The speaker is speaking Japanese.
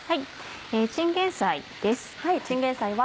チンゲンサイです。